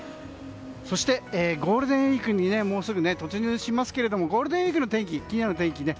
そして、ゴールデンウィークにもうすぐ突入しますがゴールデンウィークの気になる天気